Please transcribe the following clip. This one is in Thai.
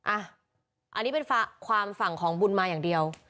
อันนี้เป็นความฝั่งของบุญมาอย่างเดียว